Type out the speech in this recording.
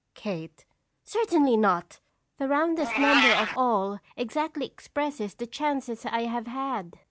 "Kate. Certainly not; the roundest number of all exactly expresses the chances I have had.